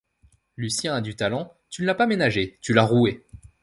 Lucien a du talent, tu ne l’as pas ménagé, tu l’as roué.